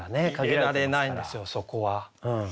入れられないんですよそこは。